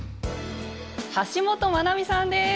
橋本マナミさんです。